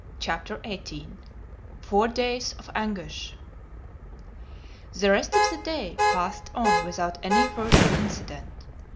CHAPTER XVIII FOUR DAYS OF ANGUISH THE rest of the day passed on without any further incident.